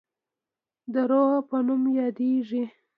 د روه په نوم یادیږي.